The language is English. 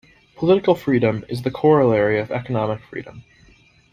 Political freedom is the corollary of economic freedom.